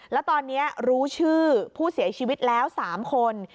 แล้วตอนนี้รู้ชื่อผู้เสียชีวิตแล้ว๓คน